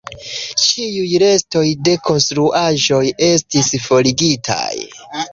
Ĉiuj restoj de konstruaĵoj estis forigitaj.